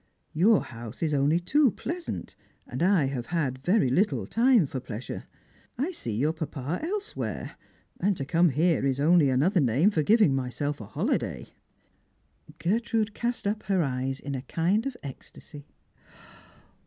" Your house is only too pleasant, and I have had very little time for pleasure. I see your papa else where; and to come here is only another name for giving myself a holiday." Gertrude cast up her eyes in a kind of ecstasy.